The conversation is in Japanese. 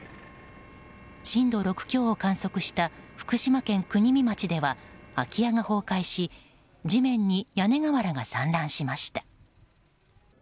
震度６強を観測した福島県国見町では空き家が崩壊し地面に屋根瓦が散乱しました。